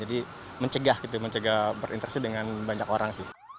jadi mencegah gitu mencegah berinteraksi dengan banyak orang sih